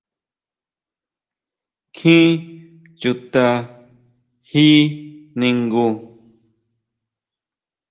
¿ʼNkjin chuta ji ningu?